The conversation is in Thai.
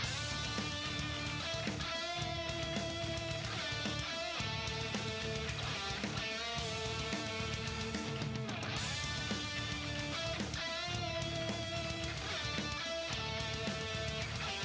โยกขวางแก้งขวา